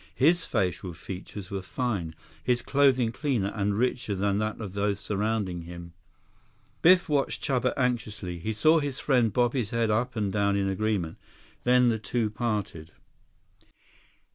His facial features were fine, his clothing cleaner and richer than that of those surrounding him. Biff watched Chuba anxiously. He saw his friend bob his head up and down in agreement, then the two parted.